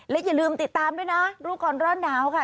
และอย่าลืมติดตามด้วยนะรู้ก่อนร้อนหนาวค่ะ